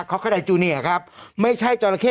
ก็ได้จูเนียร์ครับไม่ใช่จอละเข้